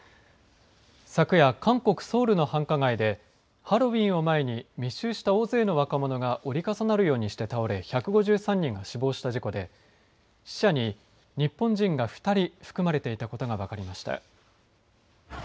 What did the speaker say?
昨夜、韓国・ソウルの繁華街でハロウィーンを前に密集した大勢の若者が折り重なるようにして倒れ１５３人が死亡した事故で死者に日本人が２人含まれていたことが分かりました。